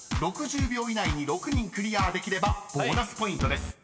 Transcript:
６０秒以内に６人クリアできればボーナスポイントです］